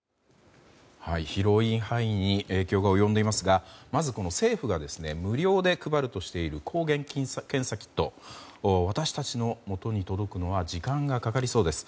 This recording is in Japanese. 広い範囲に影響が及んでいますがまずこの政府が無料で配るとしている抗原検査キット私たちのもとに届くのには時間がかかりそうです。